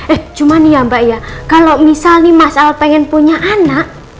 eh cuman ya mbak ya kalau misalnya mas al pengen punya anak